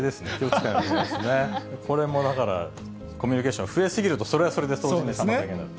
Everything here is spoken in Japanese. これもだから、コミュニケーション増えすぎると、それはそれで掃除の妨げになると。